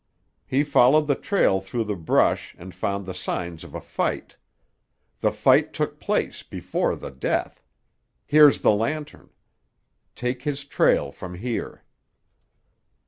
He followed the trail through the brush and found the signs of a fight. The fight took place before the death. Here's the lantern. Take his trail from here."